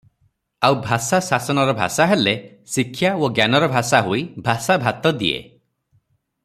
ଆଉ ଭାଷା ଶାସନର ଭାଷା ହେଲେ ଶିକ୍ଷା ଓ ଜ୍ଞାନର ଭାଷା ହୋଇ ଭାଷା ଭାତ ଦିଏ ।